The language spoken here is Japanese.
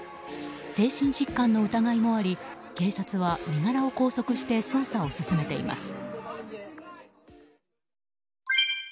精神疾患の疑いもあり警察は身柄を拘束して捜査を進めています。